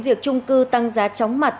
việc trung cư tăng giá chóng mặt